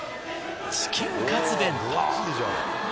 チキンカツ弁当。